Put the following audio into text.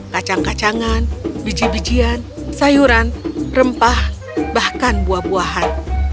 kacang kacangan biji bijian sayuran rempah bahkan buah buahan